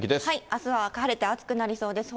あすは晴れて暑くなりそうです。